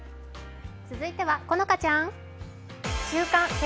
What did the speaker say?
続いては好花ちゃん。